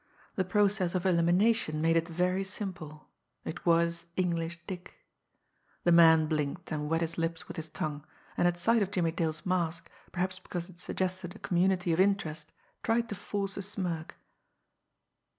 The process of elimination made it very simple it was English Dick. The man blinked, and wet his lips with his tongue, and at sight of Jimmie Dale's mask, perhaps because it suggested a community of interest, tried to force a smirk.